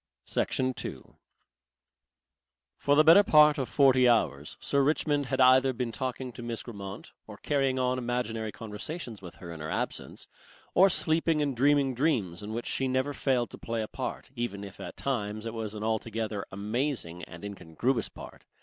Section 2 For the better part of forty hours, Sir Richmond had either been talking to Miss Grammont, or carrying on imaginary conversations with her in her absence, or sleeping and dreaming dreams in which she never failed to play a part, even if at times it was an altogether amazing and incongruous part.